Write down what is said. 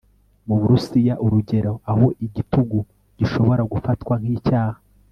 mu Burusiya urugero aho igitugu gishobora gufatwa nkicyaha